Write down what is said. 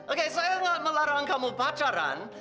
oke saya gak melarang kamu pacaran